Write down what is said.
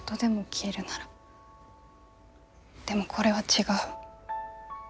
でもこれは違う。